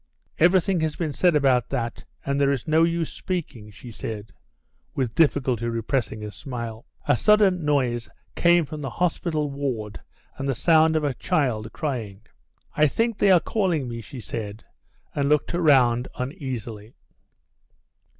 "Everything has been said about that, and there is no use speaking," she said, with difficulty repressing a smile. A sudden noise came from the hospital ward, and the sound of a child crying. "I think they are calling me," she said, and looked round uneasily.